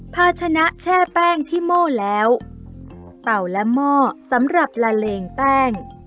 ภาชนะแช่แป้งที่โม่แล้วเต่าและหม้อสำหรับละเลงแป้ง